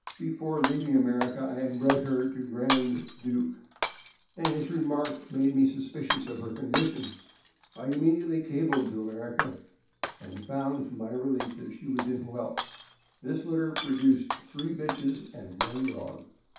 Before leaving America I had bred her to Grand Duke, and his remark made me suspicious of her condition. I immediately cabled to America, and found, to my relief, that she was in whelp. This litter produced three bitches and one dog.